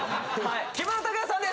木村拓哉さんです